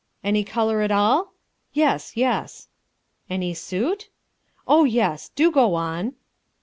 "Any colour at all?" "Yes, yes." "Any suit?" "Oh, yes; do go on."